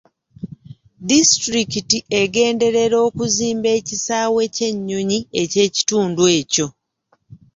Disitulikiti egenderera okuzimba ekisaawe ky'ennyonyi eky'ekitundu ekyo.